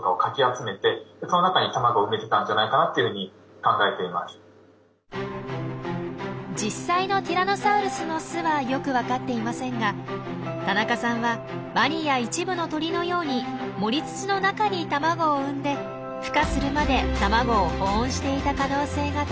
例えば今生きている実際のティラノサウルスの巣はよく分かっていませんが田中さんはワニや一部の鳥のように盛り土の中に卵を産んでふ化するまで卵を保温していた可能性が高いといいます。